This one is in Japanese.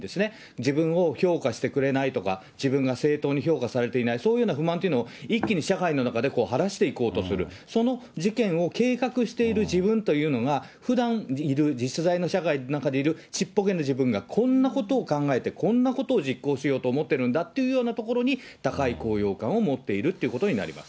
自分を評価してくれないとか、自分が正当に評価されていない、そういうような不満というのを一気に社会の中で晴らしていこうとする、その事件を計画している自分というのが、ふだんいる実在の社会の中にいる、ちっぽけな自分がこんなことを考えて、こんなことを実行しようと思ってるんだっていうようなところに、高い高揚感を持っているっていうことになります。